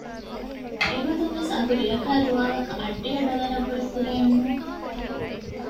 އެގޮތުން ވެސް އަގު ރެއަކާއި ދުވާލަކަށް އަށްޑިހަ ޑޮލަރަށް ވުރެ ކުޑައެއް ނޫން